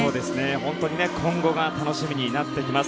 本当に今後が楽しみになってきます。